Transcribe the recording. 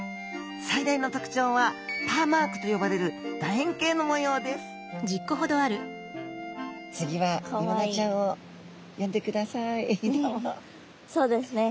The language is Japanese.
最大の特徴はパーマークと呼ばれるだえんけいの模様ですそうですね。